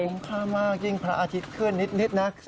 โอ้โฮค่ามากยิ่งพระอาทิตย์เคลื่อนนิดนะ